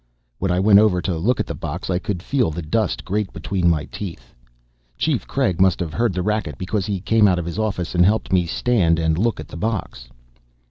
When I went over to look at the box I could feel the dust grate between my teeth. Chief Craig must have heard the racket because he came out of his office and helped me stand and look at the box.